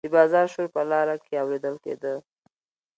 د بازار شور په لاره کې اوریدل کیده.